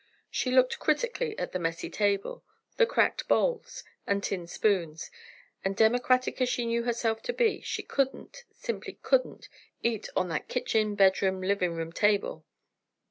She looked critically at the messy table, the cracked bowls, and tin spoons, and democratic as she knew herself to be, she couldn't—simply couldn't—eat on that kitchen bedroom living room table.